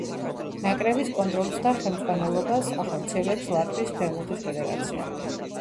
ნაკრების კონტროლს და ხელმძღვანელობას ახორციელებს ლატვიის ფეხბურთის ფედერაცია.